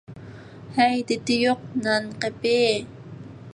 ھەي، دىتى يوق نانقېپى!